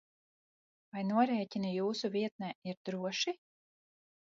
Vai norēķini jūsu vietnē ir droši?